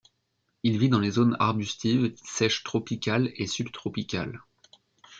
Il vit dans les zones arbustives sèches tropicales et subtropicales.